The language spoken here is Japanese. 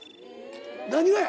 何がや？